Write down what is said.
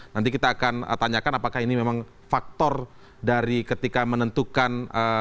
nanti kita akan tanyakan apakah ini memang faktor dari ketika menentukan